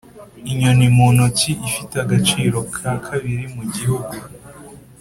inyoni mu ntoki ifite agaciro ka kabiri mu gihuru.